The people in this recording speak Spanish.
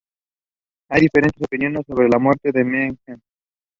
Hay diferentes opiniones sobre la muerte de Mehmed.